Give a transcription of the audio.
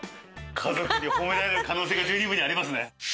家族に褒められる可能性が十二分にありますね。